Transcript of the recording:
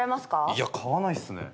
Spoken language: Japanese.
いや買わないっすね。